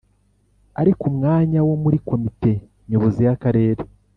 Ari ku mwanya wo muri Komite Nyobozi y’Akarere